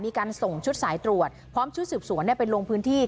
มีการส่งชุดสายตรวจพร้อมชุดสืบสวนไปลงพื้นที่